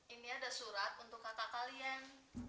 ini ada surat untuk kata kalian